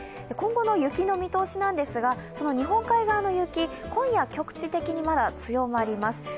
今後の雪の見通しなんですが、日本海側の雪、今夜、局地的にまだ強まります。